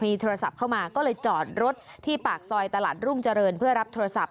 โทรศัพท์เข้ามาก็เลยจอดรถที่ปากซอยตลาดรุ่งเจริญเพื่อรับโทรศัพท